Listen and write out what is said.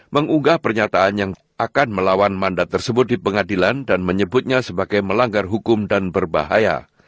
mengunggah pernyataan yang akan melawan mandat tersebut di pengadilan dan menyebutnya sebagai melanggar hukum dan berbahaya